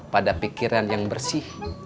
pada pikiran yang bersih